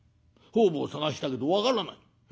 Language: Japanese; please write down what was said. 方々捜したけど分からない。